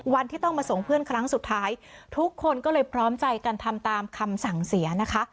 วันที่ต้องมาส่งเพื่อนครั้งสุดท้ายทุกคนก็เลยพร้อมใจกันทำตามคำสั่งเสียนะคะ